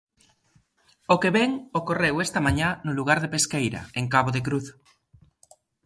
O que ven, ocorreu esta mañá no lugar de Pesqueira, en Cabo de Cruz.